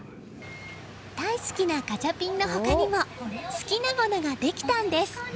大好きなガチャピンの他にも好きなものができたんです。